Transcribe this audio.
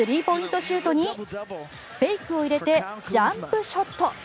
シュートにフェイクを入れてジャンプショット。